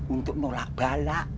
untuk menolak bala